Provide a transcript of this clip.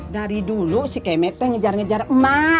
dari dulu si kemet teh ngejar ngejar emak